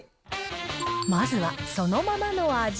まずはそのままの味。